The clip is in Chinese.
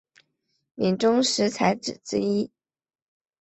闽中十才子之一。